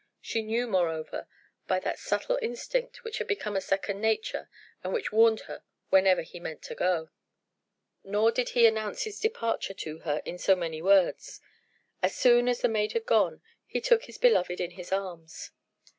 She knew, moreover, by that subtle instinct which had become a second nature and which warned her whenever he meant to go. Nor did he announce his departure to her in so many words. As soon as the maid had gone, he took his beloved in his arms.